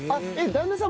旦那さん